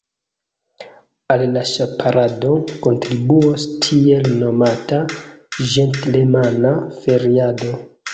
Al la ŝparado kontribuos tiel nomata ĝentlemana feriado.